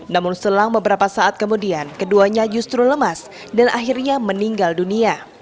namun selang beberapa saat kemudian keduanya justru lemas dan akhirnya meninggal dunia